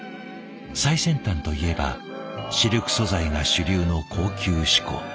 最先端といえばシルク素材が主流の高級志向。